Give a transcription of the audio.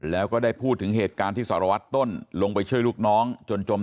แล้วก็ได้พูดถึงเหตุการณ์ที่สารวัตรต้นลงไปช่วยลูกน้องจนจม